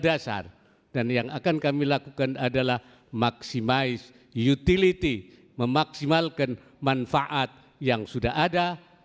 dan yang akan kami lakukan adalah maximize utility memaksimalkan manfaat yang sudah ada